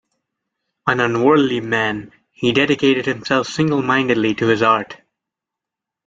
An unworldly man, he dedicated himself singlemindedly to his art.